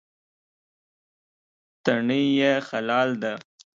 تڼۍ یې خلال ده.